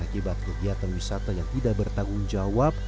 akibat kegiatan wisata yang tidak bertanggung jawab